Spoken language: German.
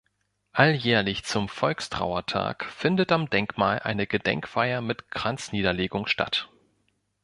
Alljährlich zum Volkstrauertag findet am Denkmal eine Gedenkfeier mit Kranzniederlegung statt.